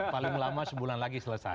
paling lama sebulan lagi selesai